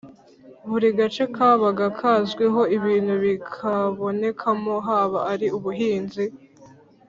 Buri gace kabaga kazwiho ibintu bikabonekamo haba ari ubuhinzi,